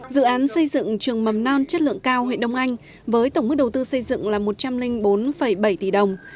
dự án xây dựng trường mầm non chất lượng cao huyện đông anh với tổng mức đầu tư xây dựng là một trăm linh bốn bảy tỷ đồng